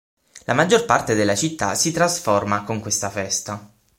La maggior parte della città si trasforma con questa festa.